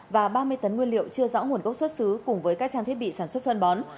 và ba mươi tấn nguyên liệu chưa rõ nguồn gốc xuất xứ cùng với các trang thiết bị sản xuất phân bó